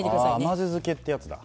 甘酢漬けってやつだ。